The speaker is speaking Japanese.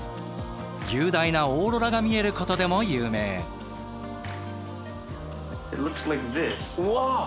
雄大なオーロラが見えることでも有名。わ。